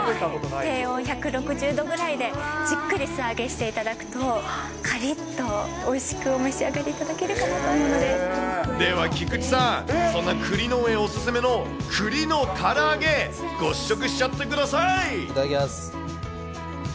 低温１６０度ぐらいで、じっくり素揚げしていただくと、かりっとおいしくお召し上がりいでは、菊池さん、そんなくり農園お勧めのくりのから揚げ、ご試食しちゃってくださいただきます。